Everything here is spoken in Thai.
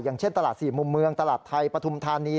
อย่างเช่นตลาด๔มุมเมืองตลาดไทยปฐุมธานี